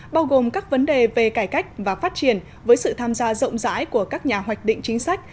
bao gồm các vấn đề về cải cách và phát triển với sự tham gia rộng rãi của các nhà hoạch định chính sách